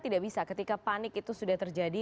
tidak bisa ketika panik itu sudah terjadi